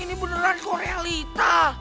ini beneran korealita